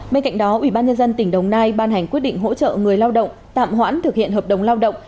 bên cạnh đó ubnd tỉnh đồng nai ban hành quyết định hỗ trợ người lao động tạm hoãn thực hiện hợp đồng lao động